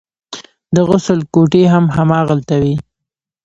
د غسل کوټې هم هماغلته وې.